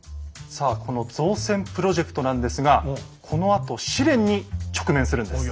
さあこの造船プロジェクトなんですがこのあと試練に直面するんです。